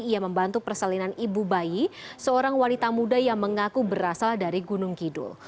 ia membantu persalinan ibu bayi seorang wanita muda yang mengaku berasal dari gunung kidul